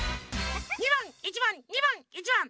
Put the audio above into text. ２ばん１ばん２ばん１ばん。